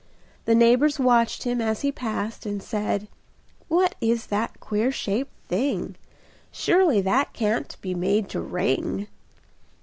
The neighbors watched him as he passed And said: "What is that queer shaped thing? Surely that can't be made to ring."